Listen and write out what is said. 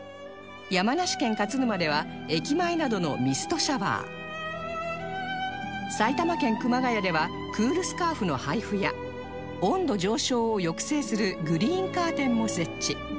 山梨県勝沼では駅前などの埼玉県熊谷ではクールスカーフの配布や温度上昇を抑制するグリーンカーテンも設置